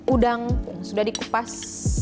udang sudah di put los